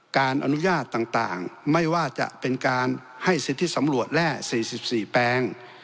การอนุญาตต่างไม่ว่าจะเป็นการให้สิทธิสำรวจแร่๔๔แปลง